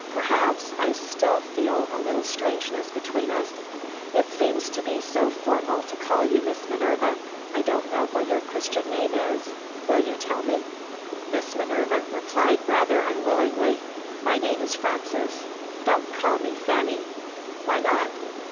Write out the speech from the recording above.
"Perhaps, I still feel a little strangeness between us? It seems to be so formal to call you Miss Minerva. I don't know what your Christian name is. Will you tell me?" Miss Minerva replied rather unwillingly. "My name is Frances. Don't call me Fanny!" "Why not?"